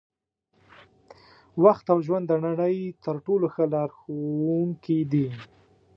وخت او ژوند د نړۍ تر ټولو ښه لارښوونکي دي.